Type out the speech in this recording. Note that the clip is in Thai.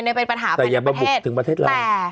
ในปัญหาฝั่งประเทศแต่